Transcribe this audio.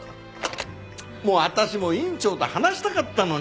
もう私も院長と話したかったのに。